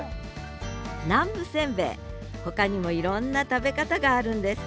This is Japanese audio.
南部せんべいほかにもいろんな食べ方があるんです。